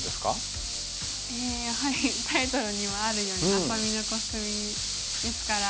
やはりタイトルにもあるように愛咲美のコスミですから。